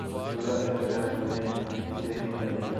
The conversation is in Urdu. چولہا اس گھر میں سے ہی مل گیا